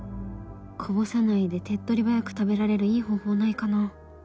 こぼさないで手っ取り早く食べられるいい方法ないかな？